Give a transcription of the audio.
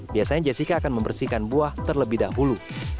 biasanya jessica akan membersihkan buah terlebih dahulu